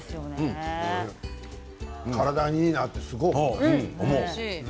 体にいいなとすごい思う。